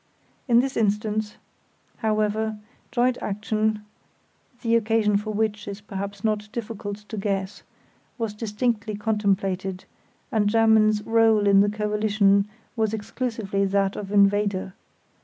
In this instance, however, joint action (the occasion for which is perhaps not difficult to guess) was distinctly contemplated, and Germany's rôle in the coalition was exclusively that of invader.